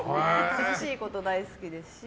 楽しいこと大好きですし。